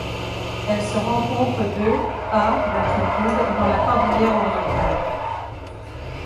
Elle se rencontre de à d'altitude dans la cordillère Orientale.